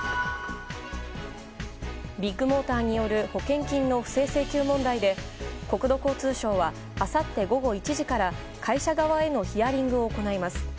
ビッグモーターによる保険金の不正請求問題で国土交通省はあさって午後１時から会社側へのヒアリングを行います。